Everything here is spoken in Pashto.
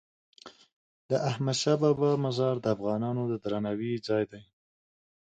د احمدشاه بابا مزار د افغانانو د درناوي ځای دی.